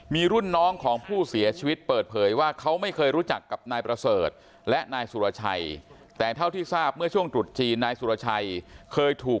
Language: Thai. มีรุ่นน้องของผู้เสียชีวิตเปิดเผยว่าเขาไม่เคยรู้จักกับนายประเสริฐและนายสุรชัยแต่เท่าที่ทราบเมื่อช่วงตรุษจีนนายสุรชัยเคยถูก